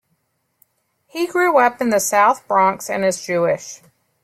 He grew up in the South Bronx, and is Jewish.